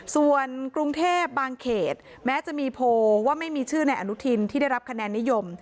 ส่วนกรุงเทพบางเขตแม้จะมีโพลว่าไม่มีชื่อในอนุทินที่ได้รับคะแนนนิยม